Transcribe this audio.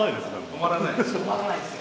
止まらないですよ。